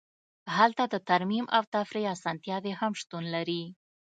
هلته د ترمیم او تفریح اسانتیاوې هم شتون لري